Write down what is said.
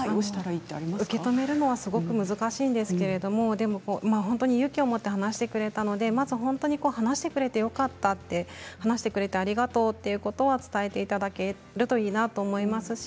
受け止めることは難しいんですけれど勇気を持って話してくれたのでまず本当に話してくれてよかったと話してくれてありがとうということは伝えていただけるといいなと思います。